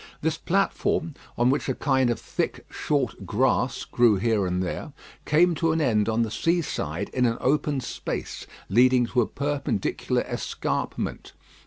This platform, on which a kind of thick, short grass grew here and there, came to an end on the sea side in an open space, leading to a perpendicular escarpment.